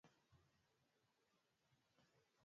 hali imegeuka hapa kidogo kwa sababu